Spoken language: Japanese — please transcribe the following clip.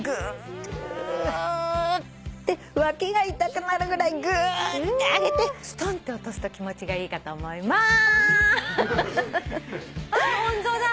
ぐって脇が痛くなるぐらいぐーって上げてすとんって落とすと気持ちがいいかと思います。